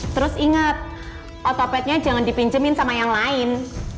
terus inget otopetnya jangan dipinjemin sama yang lain